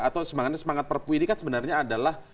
atau semangat perpu ini kan sebenarnya adalah